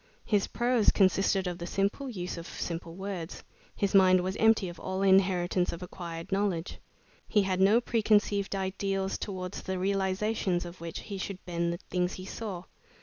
His prose consisted of the simple use of simple words. His mind was empty of all inheritance of acquired knowledge. He had no preconceived ideals, towards the realizations of which he should bend the things he saw.